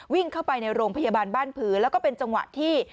วิ่งเข้าไปในโรงพยาบาลบ้านผือแล้วก็เป็นจังหวะที่